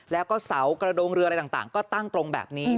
แล้วก็เสากระดงเรืออะไรต่างก็ตั้งตรงแบบนี้